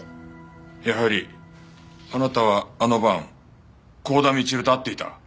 やはりあなたはあの晩幸田みちると会っていた。